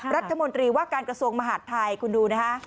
รัฐมนตรีว่าการกระทรวงมหาดไทยคุณดูนะคะ